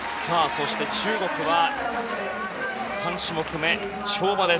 そして、中国は３種目めの跳馬。